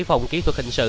phòng kỹ thuật hình sự